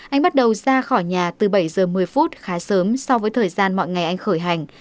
anh bắt đầu ra khỏi nhà từ bảy giờ một mươi phút khá sớm so với thời gian mọi ngày anh khởi hành